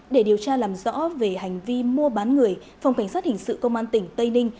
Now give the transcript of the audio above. để điều tra làm rõ về hành vi mua bán người phòng cảnh sát hình sự công an tỉnh tây ninh